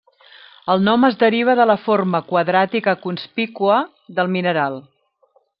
El nom es deriva de la forma quadràtica conspícua del mineral.